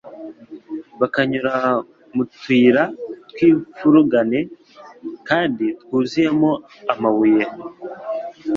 bakanyura mu tuyira tw'imfurugane kandi twuzuyemo amabuye;